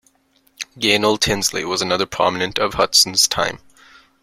Gaynell Tinsley was another prominent of Hutson's time.